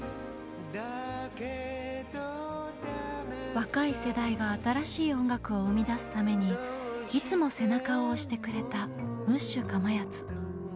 若い世代が新しい音楽を生み出すためにいつも背中を押してくれたムッシュかまやつ。